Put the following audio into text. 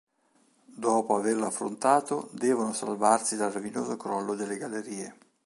Dopo averlo affrontato, devono salvarsi dal rovinoso crollo delle gallerie.